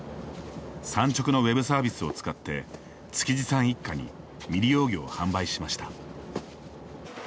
産直のＷｅｂサービスを使って築地さん一家に未利用魚を販売しました。